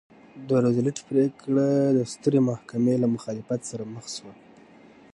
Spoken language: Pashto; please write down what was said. د روزولټ پرېکړه د سترې محکمې له مخالفت سره مخ شوه.